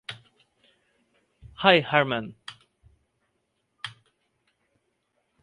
High, Harman.